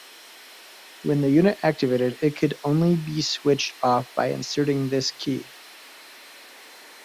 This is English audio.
When the unit activated, it could only be switched off by inserting this key.